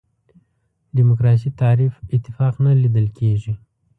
دیموکراسي تعریف اتفاق نه لیدل کېږي.